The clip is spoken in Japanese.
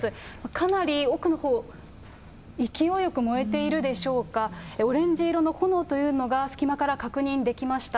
かなり奥のほう、勢いよく燃えているでしょうか、オレンジ色の炎というのが、隙間から確認できました。